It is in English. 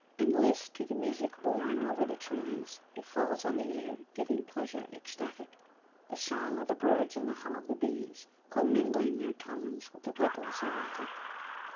And list to the music borne over the trees! It falls on the ear, giving pleasure ecstatic The song of the birds and the hum of the bees Commingling their tones with the ripples erratic.